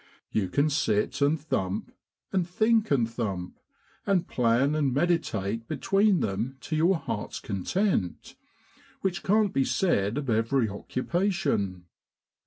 You can sit and thump, and think and thump, and plan and meditate between them to your heart's content, which can't be said of every occu pation.